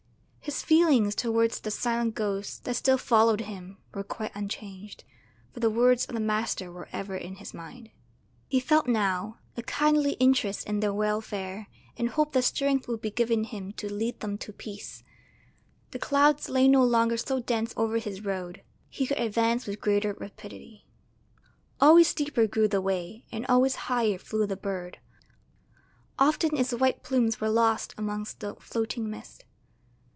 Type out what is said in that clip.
His feelings towards the silent ghosts, that still followed him, were quite changed, for the words of the master were ever in his mind. He felt now a kindly interest in their welfare, and hoped that strength would be given him to lead them to peace. The clouds lay no longer so dense over his road. He could advance with greater rapidity. Always steeper grew the way, and always higher flew the bird; often its white plumes were lost amongst the floating mist.